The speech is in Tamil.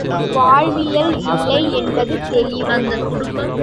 வாழ்வியல் இல்லை என்பது தெளிவு.